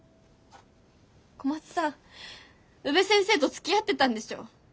小松さん宇部先生とつきあってたんでしょ？